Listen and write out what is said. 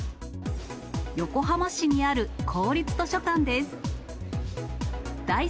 横浜市にある公立図書館です。